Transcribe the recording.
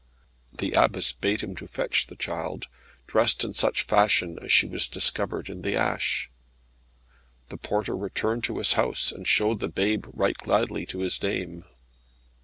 The Abbess bade him to fetch the child, dressed in such fashion as she was discovered in the ash. The porter returned to his house, and showed the babe right gladly to his dame.